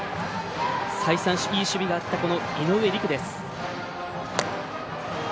再三いい守備があった井上陸です。